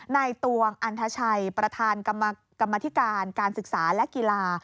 ตวงอันทชัยประธานกรรมธิการการศึกษาและกีฬา